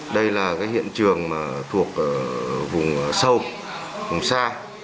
đây là hiện trường thuộc vùng sâu vùng xa